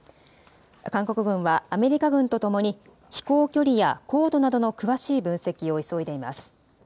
韓国軍はアメリカ軍とともに飛行距離や高度などの詳しい分析を急いでいます。